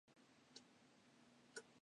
夢への一歩を踏み出すべく体験入学に行ってみた